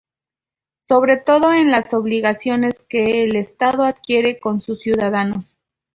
Sobre todo en las obligaciones que el Estado adquiere con sus ciudadanos.